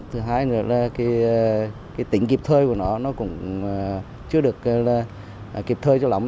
thứ hai là tính kịp thời của nó cũng chưa được kịp thời cho lắm